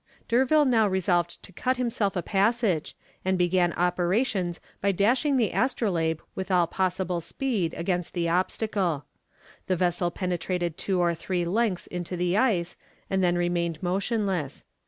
D'Urville now resolved to cut himself a passage, and began operations by dashing the Astrolabe with all possible speed against the obstacle. The vessel penetrated two or three lengths into the ice, and then remained motionless.